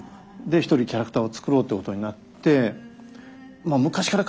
で一人キャラクターを作ろうってことになって。